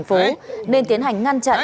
hành phố nên tiến hành ngăn chặn